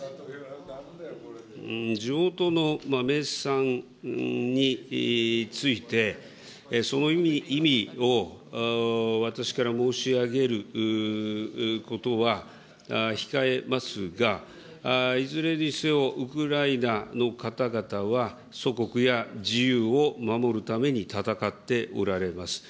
地元の名産について、その意味を私から申し上げることは控えますが、いずれにせよ、ウクライナの方々は、祖国や自由を守るために戦っておられます。